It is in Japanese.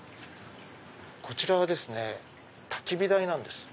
こちらはたき火台なんです。